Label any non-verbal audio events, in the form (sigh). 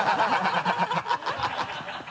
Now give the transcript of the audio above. ハハハ (laughs)